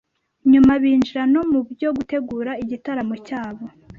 nyuma binjira no mu byo gutegura igitaramo cyabo